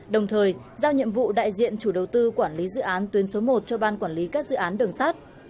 đồng thời giao nhiệm vụ đại diện chủ đầu tư quản lý dự án tuyến số một cho ban quản lý các dự án đường sắt